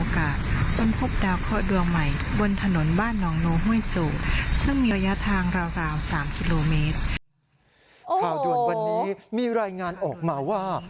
ข่าวด่วนวันนี้มีรายงานออกมาว่า